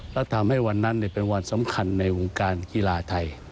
และทำให้วันนั้นเป็นวันสำคัญในวงการกีฬาไทย